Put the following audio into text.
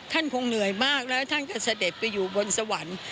ท่านคงเหนื่อยมากแล้วท่านก็เสด็จไปอยู่บนสวรรค์